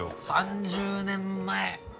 ３０年前。